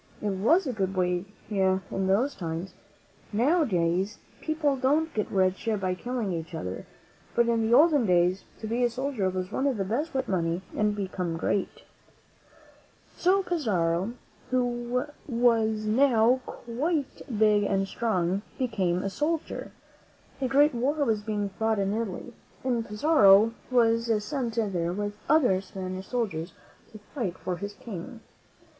It ^vas a good way in those times. Nowadays people don't get rich by killing each other; but in the olden days, to be a soldier was one of the best ways to get money and become great. unmiiit i 52 THE SWINEHERD WHO WANTED A CASTLE m So Pizarro, who was now quite big and strong, became a soldier. A great war was being fought in Italy, and Pizarro was sent there with other Spanish soldiers to fight for his King.